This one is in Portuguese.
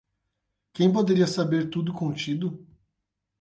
Quem poderia saber tudo contido?